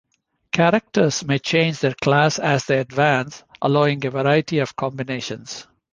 Characters may change their class as they advance, allowing a variety of combinations.